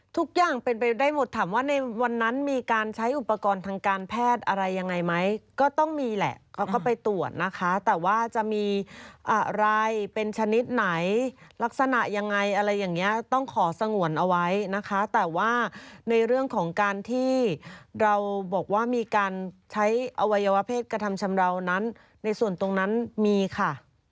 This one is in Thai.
ทุกอย่างเป็นไปได้หมดถามว่าในวันนั้นมีการใช้อุปกรณ์ทางการแพทย์อะไรยังไงไหมก็ต้องมีแหละเขาก็ไปตรวจนะคะแต่ว่าจะมีอะไรเป็นชนิดไหนลักษณะยังไงอะไรอย่างเงี้ยต้องขอสงวนเอาไว้นะคะแต่ว่าในเรื่องของการที่เราบอกว่ามีการใช้อวัยวะเพศกระทำชำราวนั้นในส่วนตรงนั้นมีค่ะ